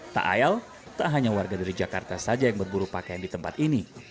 tak ayal tak hanya warga dari jakarta saja yang berburu pakaian di tempat ini